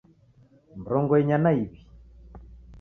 Mrongo inya na iw'i